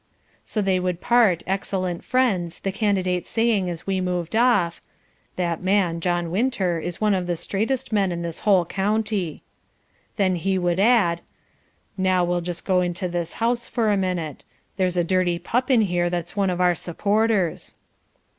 So they would part excellent friends, the Candidate saying as we moved off: "That man, John Winter, is one of the straightest men in this whole county." Then he would add "Now we'll just go into this house for a minute. There's a dirty pup in here that's one of our supporters."